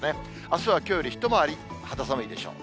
あすはきょうより一回り肌寒いでしょう。